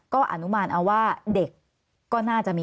ก็อนุมานเอาว่าเด็กก็น่าจะมี